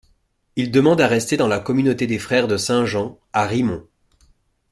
Il demande à rester dans la Communauté des Frères de Saint Jean, à Rimont.